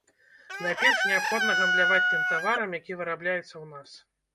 Найперш неабходна гандляваць тым таварам, які вырабляецца ў нас.